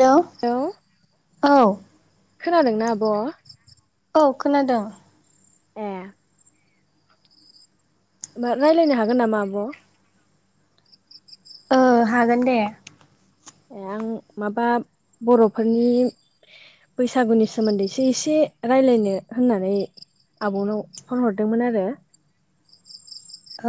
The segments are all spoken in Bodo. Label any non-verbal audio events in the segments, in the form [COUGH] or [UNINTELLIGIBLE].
लौ औ औ खोनादोंना आब'? औ खोनादों। ए मो रायलायनो हागोन नामा आब'? ओ हागोन दे। ए आं माबा बर'फोरनि बैसागुनि सोमोन्दैसो एसे रायलायनो होननानै आब'नाव फन हरदोंमोन आरो।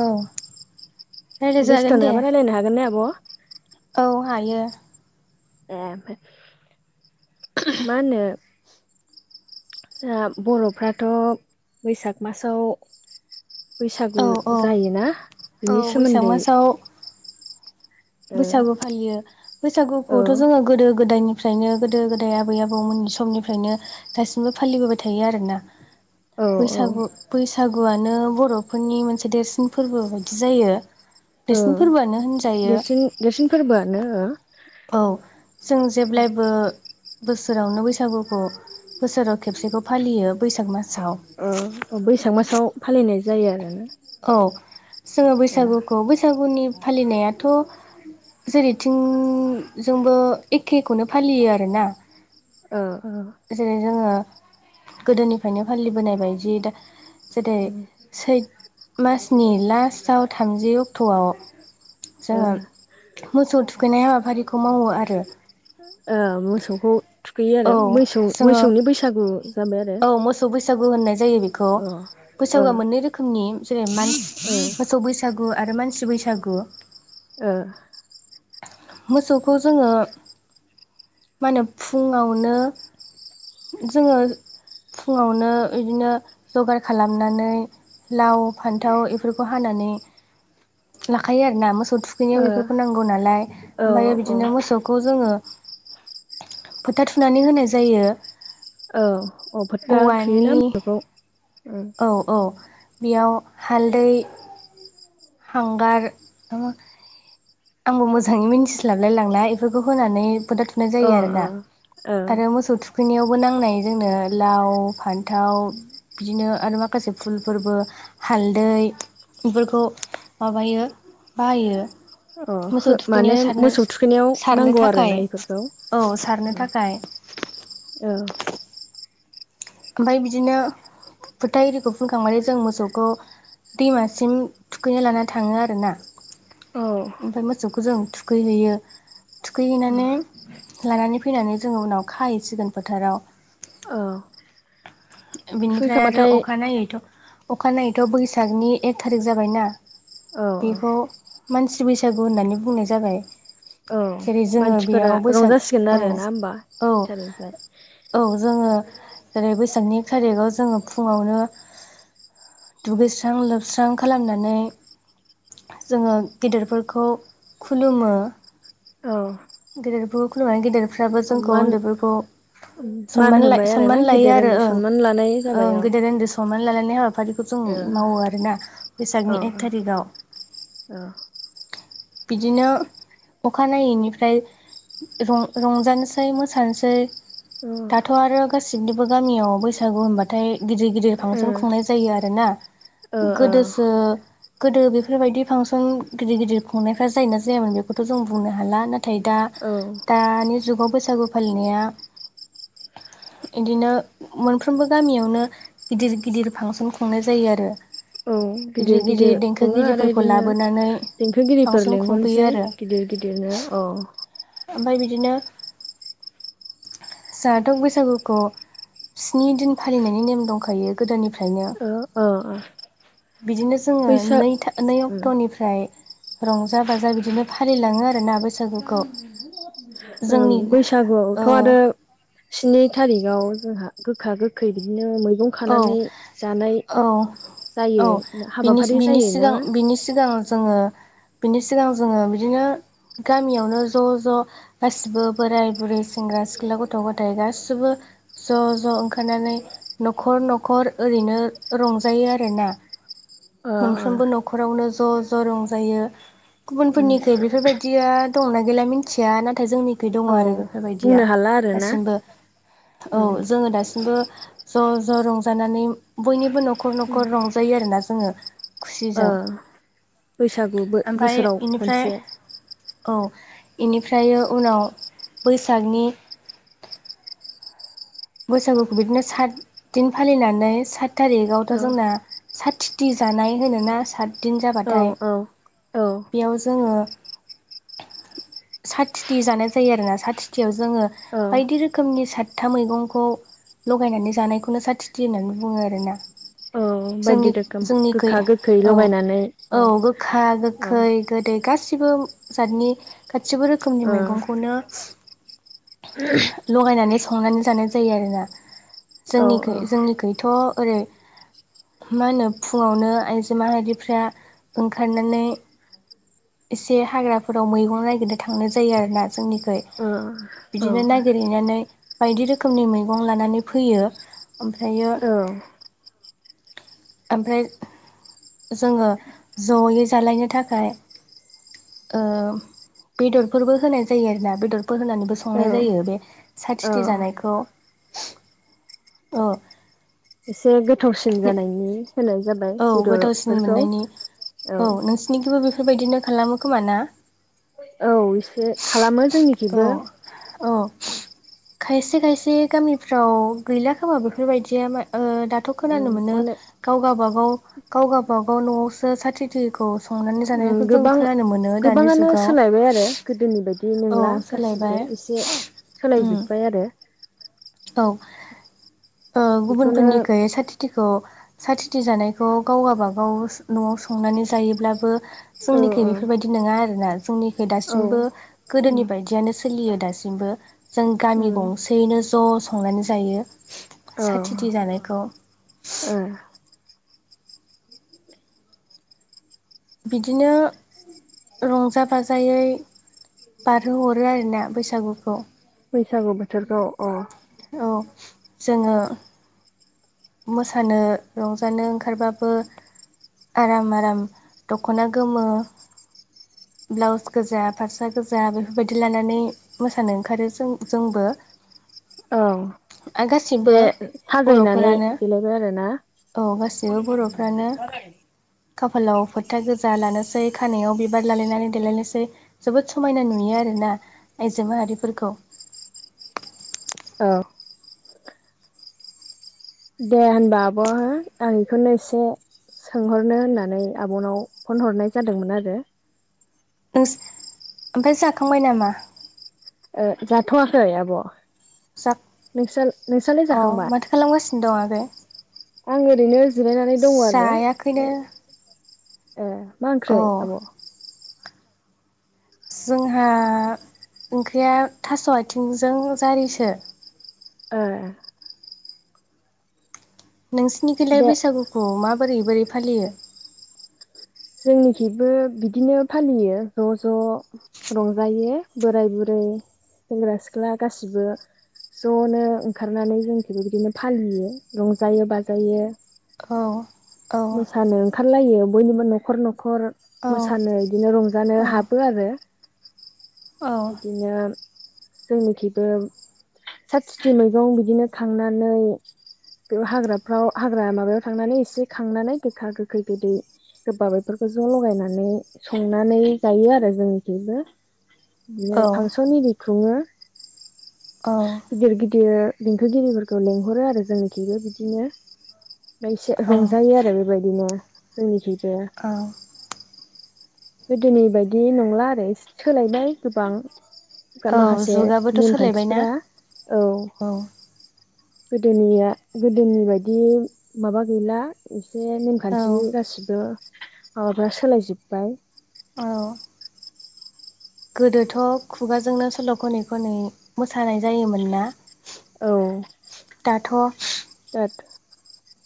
औ रायलाय बेस्थ' जागोन दे। नङाबा रायलायनो हागोन ने आब'? औ हायो। ए ओमफाय मा होनो जाहा बर'फ्राथ' बैसाग मासाव बैसागु औ औ जायोना बिनि बैसाग सोमोन्दै मासाव ओ बैसागु फालियो औ बैसागुखौथ' जोङो गोदो गोदायनि फ्रायनो गोदो गोदाय आबै आबौमोननि समनिफ्रायनो दासिमबो फालिबोबाय थायो आरोना। औ औ बैसागु बैसागुआनो बर'फोरनि मोनसे देरसिन फोरबो बायदि जायो। औ देरसिन फोरबोआनो होनजायो। देरसिन देरसिन फोरबोआनो ओ औ जों जेब्लायबो बोसोरावनो बैसागुखौ बोसोराव खेबसेखौ फालियो बैसाग मासाव। ओ ओ बैसाग मासाव फालिनाय जायो आरोना। औ जोङो ओ बैसागुखौ बैसागुनि फालिनायाथ' जेरैथिं जोंबो एखेखौनो फालियो आरोना। ओ ओ। जेरै जोङो गोदोनिफ्रायनो फालिबोनाय बायदियै दा जेरै उम सैथ मासनि लास्टआव थामजि अक्ट'आव ओ जोङो मोसौ थुखैनाय हाबाफारिखौ मावो आरो। ओ मोसौखौ थुखैयो औ आरो मैसौ जोङो मैसौनि बैसागु जाबाय आरो। औ मोसौ बैसागु होननाय जायो बिखौ। अ ओ बैसागुआ मोननै रोखोमनि जेरै मान ओ मोसौ बैसागु आरो मानसि बैसागु ओ मोसौखौ जोङो मानो फुङावनो जोङो फुङावनो इदिनो जगार खालामनानै लाव फान्थाव एफोरखौ हानानै लाखायो आरोना मोसौ थुखैनायाव ओ एफोरखौ नांगौ नालाय ओमफायो औ बिदिनो मोसौखौ जोङो फोथा थुनानै होनाय जायो औ अ फोथा थुयोना औवानि मोखौ उम। अ बियाव हालदै हांगार नामा आंबो मोजाङै मिन्थिस्लाबलाय लांला एफोरखौ होनानै फोथा थुनाय जायो अ आरो ना औ आरो मोसौ थु खैनायावबो नांनाय जोंनो लाव फान्थाव बिदिनो आरो माखासे फुलफोरबो हालदै बेफोरखौ माबायो बाहायो। मोसौ अ थुखैनायाव माने सारनो मोसौ थुखैनायाव सारनो नांगौ आर थाखाय ना इफोरखौ। औ सारनो थाखाय औ ओमफ्राय बिदिनो फोथ इरिखौ फुनखांनानै जों मोसौखौ दैमासिम थुखैनो लाना थाङो आर ना। औ ओमफ्राय मोसौखौ जों थुखैहैयो थुखैहैनानै लानानै फैनानै जोङो उनाव खाहैसिगोन फोथाराव। औ बिनिफ्राय आरो थुखैखांबाथाय अखानायनायैथ' अखानायनायैथ' बैसागनि एक थारिख जाबायना? औ औ बेखौ मानसि बैसागु होननानै बुंनाय जाबाय। औ जेरै जोङो मानसिफोरा बेयाव बैसाग रंजासिगोन औ आरो ना होमबा औ थारिखनिफ्राय औ जोङो जओेरै बैसागनि थारिखाव जोङो फुङावनो दुगैस्रां लोबस्रां खालामनानै जोङो गेदेरफोरखौ खुलुमो। औ गेदेरफोरखौ खुलुमनानै गेदेरफ्राबो जोंखौ मान उन्दैफोरखौ मान होबाय आरोना सनमान लायो गेदेर आरो उन्दै ओं सनमान लानाय जाबाय ओं औ गोदो उन्दै सनमान लालायनाय हाबा हफारिखौ जों मावो आरोोना ओ बैसागनि एक थारिखाव। औ बिदिनो अखानायैनिफ्राय ओमफ्राय रंजानोसै मोसानोसै औ ओ दाथ' आरो गासिनिबो गामियाव बैसागु होनबाथाय गिदिर गिदिर ओ फांसन खुंनाय जायो आर ना? गोदोसो गोदो बेफोरबायदि फांसन गिदिर गिदिर खुंनायफ्रा जाय ना जायामोन बेखौथ' जों बुंनो हाला नाथाय नाथाय दा ओ औ दानि जुगाव बैसागु फालिनाया बिदिनो मोनफ्रोमबो गामियावनो गिदिर गिदिर फांसन खुंनाय जायो आरो। औ गिदिर गिदिर खुङो आरो बिदिनो देंखोगिरिफोर फांसन खुंफैयो लेंंहरनोसै। आरो गिदिर गिदिरनो औ ओमफ्राय बिदिनो जाहाथ' बैसागुखौ स्नि दिन फालिनायनि नेम दंखायो गोदोनिफ्राय नो ओ ओ बिदिनो जोङो बैसाग नै अक्ट'निफ्राय ओमफ्राय रंजा बाजा बिदिनो फालिलाङो आरो ना बैसागुखौ। जोंनि ओ बैसागुआवथ' आरो स्नि थारिखाव जोंहा गोखा गोखै बिदिनो मैगं खानानै औ जानाय औ जायो औ बिनि हाबाफारि बिनि जायो सिगां नामा बिनि सिगां जोङो बिनि सिगां जोङो बिदिनो गामियावनो ज' ज' गासिबो बोराय बुरै सेंग्रा सिख्ला गथ' गथाय गासिबो ज' ज' ओंखारनानै न'खर न'खर ओरैनो रंजायो आर ना अ मोनफ्रोमबो न'खरावनो ज' ज' रंजायो अ गुबुनफोरनिख बेफोरबायदि बिदिया दंना गैला मिथिया नाथाय जोंनिख दङ औ आरो। बेफोरबायदिया बुंनो हाला आरोना दासिमबो औ जोङो दासिमबो ज' ज' रंजानानै बयनिबो न'खर न'खर रंजायो आरोना जोङो खुसिजों ओ बैसागु ओमफ्राय बोसोराव बेनिफ्राय खनसे औ इनिफ्र उनाव बैसागनि बैसागुखौ बिदिनो सात दिन फालिनानै सात थारिखआवथ' औ जोंना साथिथि जानाय होनोोना सातदिन औ जाबाथाय औ औ बेयाव जोङो साथथिथि जानाय जायो आरोना साथथिथियाव जोङो औ बायदि रोखोमनि सातथा मैगंखौ खौ लगायनानै जानायखौनो सातथिथि होननानै बुङो आरोना औ बायदि जोंनि रोखोम जोंनिखै गोखा गोखै औ लगायनानै औ गोखा औ गोखै गोदै गासिबो जातनि गासिबो रोखोमनि औ मैगंखौनो [UNINTELLIGIBLE] लगायनानै संनानै जानाय जायो आरोना औ जोंनिखै जोंनिखैथ' ओरै मा होनो फुङावनो आइजो माहारिफ्रा ओंखारनानै एसे हाग्राफोराव मैगं नागिरनो थांनाय जायो आरो ना जोंनि खै औ बिदिनो नागिरहैनानै बायदि रोखोमनि मैगं लानानै फैयो ओमफ्रायो औ ओमफ्राय जोङो जयै जालायनो थाखाय बेदरफोरबो होनाय जायो आरो ना बेदर बो होनानैबो औ संनाय जायो बे औ साथिथि जानायखौ ओ एसे गोथावसिन जानायनि होनाय जाबाय औ गोथावसिन बेदरफोरखौ मोननायनि औ [UNINTELLIGIBLE] बेफोरबायदिनो खालामो खोमा ना? औ इसे खालामो औ जोंनिखैबो औ खायसे खायसे गामिफ्राव गैला खोमा बेफोरबायदिया ओ दाथ' खोनानो मोनो अनेक गावगाबागाव गावगाबाव न'आवसो साथि थिखौ संनानै जानायखौ जों गोबां खोनानो मोनो दानि जुगाव बिदि औ नंला सोलायबाय गासिबो एसे उम सोलायजोब्बाय आरो औ ओ बेखौनो गुबुनफोरनिखै साथि थिखौ साथिथि जानायखौ गाव गाबागाव न'आव संनानै जायोब्लाबो औ जोंनिखै बेफोरबायदि नङा आरोना जोंनिख औ दासिमबो गोदोनि बायदियानो सो सोलियो दासिमबो जों गामि गंसेयैनो ज' संनानै जायो औ साथिथि जानायखौ ओ बिदिनो रंजा बाजायै बारहोहरो आरोना बैसागुखौ बैसागु बोथोरखौ अ औ जोङो मोसानो रंजानो ओंखारबाबो आराम आराम दख'ना गोमो ब्लाउस गोजा फास्रा गोजा बेफोरबायदि लानानै। मोसानो ओंखारो जों जोंबो औ। गासिबो एसे बर' साजायनानै फोरानो देलायबाय आरोना औ गासिबो बर'फ्रानो खाफालाव फोथा गोजा लानोसै खानायाव बिबार लालायनानै देलायनोसै। जोबोद समायना नुयो आरोना आइजो माहारिफोरखौ औ। दे होनबा आब' हो आं बेखौनो एसे सोंहरनो होननानै आबनाव फन हरनाय जादोंमोन आरो। [UNINTELLIGIBLE] ओमफ्राय जाखांबाय नामा? ओ जाथ'वाखै आब' जाथ नोंस्रा नोंस्रालाय अ जाखांबाय माथो खालामगासिनो दं आगै आं ओरैनो जिरायनानै दङ आरो जायाखैनो ओमफ्राय ए मा ओंख्रि औ आब' जोंहा ओंख्रिया थास' आथिंजों जारिसो ओ नोंसिोरनि गैलाय दे बैसागुखौ माबोरै बोरै फालियो? जोंनिखिबो बिदिनो फालियो ज' ज' रंजायो बोराय बुरै सेंग्रा सिख्ला गासिबो। ज'नो ओंखारनानै जोंबो बिदिनो फालियो रंजायो बाजायो। औ। औ मोसानो। ओंखारलायो बयनिबो न'खर न'खर औ मोसानो बिदिनो रंजानो औ हाबो आरो। औ बिदिनो जोंनिखेबो साब सिथि मैगं बिदिनो खांनानै बेयाव हाग्राफ्राव हाग्रा माबायाव थांनानै एसे खांनानै गोखा गोखै गोदै सोरबा बेफोरखौ ज' लगायनानै संनानै जायो आरो जोंनिथिबो‌। औ बिदिनो फांसननि ओरि खुङो। औ। गिदिर गिदिर देंखोगिरिफोरखौ लेंहरो आरो जोंनिखिबो बिदिनो। मसे औ रंजायो आरो बेबायदिनो जोंनिखबो। औ गोदोनि बायदि नंला आरो सोलायबाय गोबां। औ माखासे जुगाबोथ' सोलायबायना नेमखान्थिफ्रा औ गोदोनिया गोदोनि बायदि माबा गैला एसे औ नेमखान्थि गासिबो माबाफ्रा सोलायजोब्बाय। औ गोदोथ' खुगाजोंनो सल' खनै खनै मोसानाय जायोमोन ना? औ। दाथ' दाथ'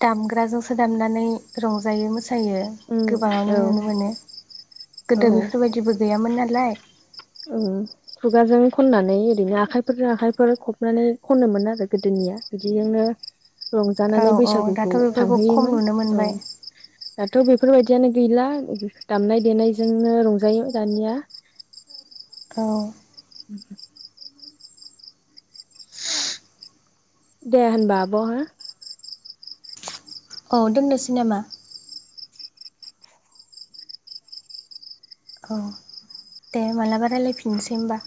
दामग्राजों सो दामनानै रंजायो मोसा मोसायो उम गोबाङावनो औ नुनो मोनो गोदो औ बेफोरबायदिबो गैयामोन नालाय। औ खुगाजों खननानै ओरैनो आखाइफोरजों आखाइफोर फबनानै खनोमोन आरो गोदोनिया। बिदिजोंनो औ रंजानानै औ दाथ' बैसागुखौ बेफोरखौ खम थांहोयोमोन नुनो औ मोनबाय दाथ' बेफोरबायदियानो गैला दामनाय देनायजोंनो रंजायो दानिया। औ [INAUDIBLE] दे होनबा आब' हा औ दोननोसै नामा? औ दे मालाबा रायजलायफिननोसै होनबा।